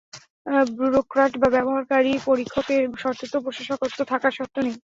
Bureaucrat বা ব্যবহারকারী পরীক্ষকের শর্তে তো প্রশাসকত্ব থাকার শর্ত নেই!